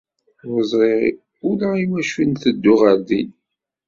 Ur ẓriɣ ula iwacu nteddu ɣer din.